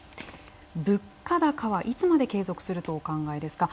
物価高はいつまで継続するとお考えですか？